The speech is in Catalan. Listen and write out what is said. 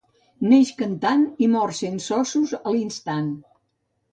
Neix cantant i mor sense ossos a l'instant.